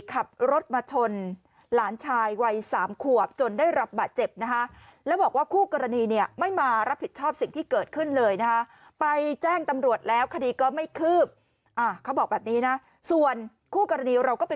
ขับรถมาชนหลานชายวัย๓ขวบจนได้รับบาดเจ็บนะคะ